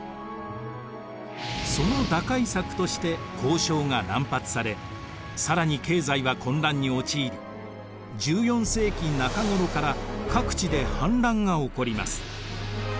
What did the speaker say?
その打開策として交鈔が乱発され更に経済は混乱に陥り１４世紀中頃から各地で反乱が起こります。